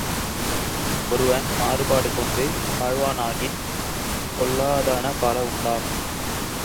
ஒருவன் மாறுபாடு கொண்டு வாழ்வானாகில் பொல்லாதன பல உண்டாகும்.